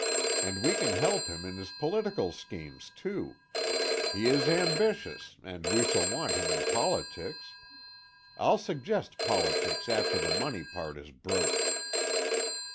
And we can help him in his political schemes, too. He is ambitious, and we shall want him in politics. I'll suggest politics after the money part is broached."